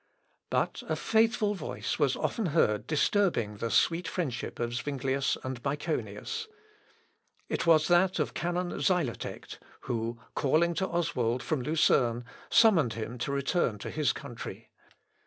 But a faithful voice was often heard disturbing the sweet friendship of Zuinglius and Myconius. It was that of canon Xylotect, who, calling to Oswald from Lucerne, summoned him to return to his country.